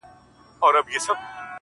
مُلا مي په زر ځله له احواله دی پوښتلی!!